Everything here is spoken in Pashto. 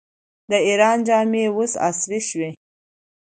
د ایران جامې اوس عصري شوي.